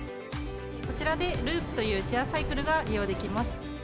こちらでループというシェアサイクルが利用できます。